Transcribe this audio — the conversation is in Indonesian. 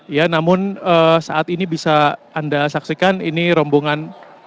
ya namun saat ini bisa anda saksikan ini rombongan